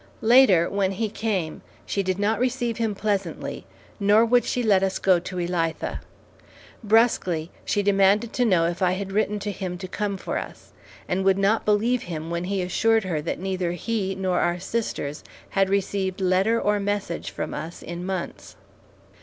Later, when he came, she did not receive him pleasantly, nor would she let us go to Elitha. Brusquely, she demanded to know if I had written to him to come for us, and would not believe him when he assured her that neither he nor our sisters had received letter or message from us in months.